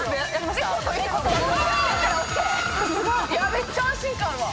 めっちゃ安心感あるわ。